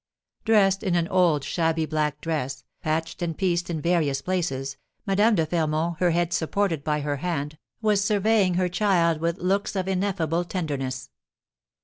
Dressed in an old shabby black dress, patched and pieced in various places, Madame de Fermont, her head supported by her hand, was surveying her child with looks of ineffable tenderness.